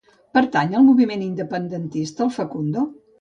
Pertany al moviment independentista el Facundo?